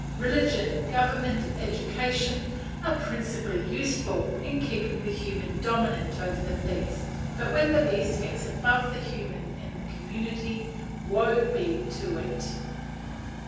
Religion, government, education, are principally useful in keeping the human dominant over the beast; but when the beast gets above the human in the community, woe be to it."